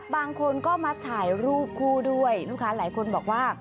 บางคนก็มาถ่ายรูปคู่ด้วยลูกค้าหลายคนบอกว่า